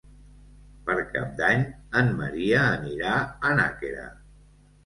Per Cap d'Any en Maria anirà a Nàquera.